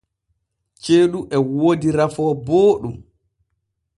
Ceeɗu e woodi rafoo booɗɗum.